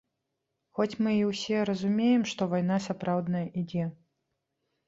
Хоць мы і ўсе разумеем, што вайна сапраўдная ідзе.